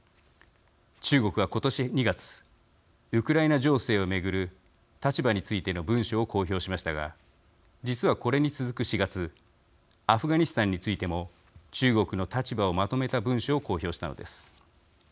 中国は今年２月ウクライナ情勢を巡る立場についての文書を公表しましたが実はこれに続く４月アフガニスタンについても中国の立場をまとめた文書を公表したのです。